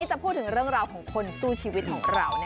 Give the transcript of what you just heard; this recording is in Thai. จะพูดถึงเรื่องราวของคนสู้ชีวิตของเรา